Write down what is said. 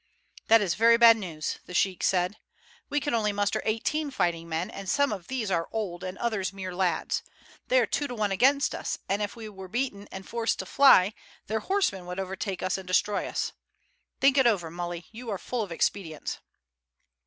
"That is very bad news," the sheik said. "We can only muster eighteen fighting men, and some of these are old and others mere lads. They are two to one against us, and if we were beaten and forced to fly their horsemen would overtake us and destroy us. Think it over, Muley; you are full of expedients."